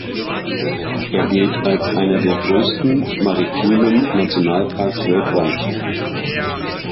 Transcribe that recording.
Er gilt als einer der größten maritimen Nationalparks weltweit.